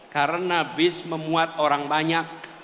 karena bis memuat orang banyak